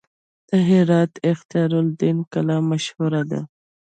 د هرات اختیار الدین کلا مشهوره ده